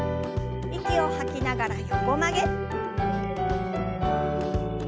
息を吐きながら横曲げ。